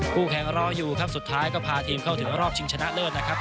แข่งรออยู่ครับสุดท้ายก็พาทีมเข้าถึงรอบชิงชนะเลิศนะครับ